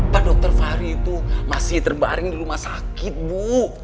pak dokter fahri itu masih terbaring di rumah sakit bu